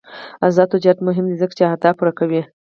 آزاد تجارت مهم دی ځکه چې اهداف پوره کوي.